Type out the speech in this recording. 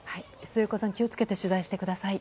末岡さん、気を付けて取材してください。